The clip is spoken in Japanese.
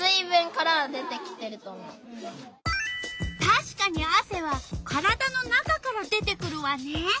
たしかにあせは体の中から出てくるわね。